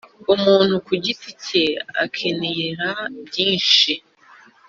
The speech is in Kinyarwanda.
umuntu ku giti cye akenera byinshi